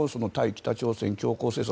北朝鮮強硬政策